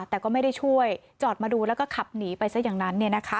แต่ก็ไม่ได้ช่วยจอดมาดูแล้วก็ขับหนีไปซะอย่างนั้น